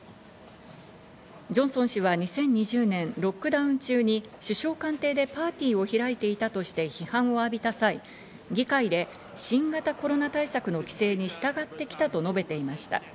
ジョンソン氏は２０２０年、ロックダウン中に首相官邸でパーティーを開いていたとして批判を浴びた際、議会で新型コロナ対策の規制に従ってきたと述べていました。